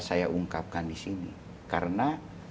saya ungkapkan disini karena